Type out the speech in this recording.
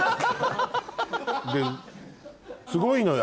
⁉すごいのよ